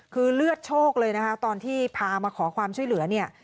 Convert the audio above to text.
คือเลือดโชคเลยนะคะตอนที่พามาขอความช่วยเหลือเนี่ย